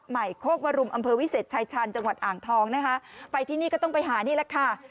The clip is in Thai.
โคกวรุมอำเภอวิเศษชายชาญจังหวัดอ่างทองนะคะไปที่นี่ก็ต้องไปหานี่แหละค่ะ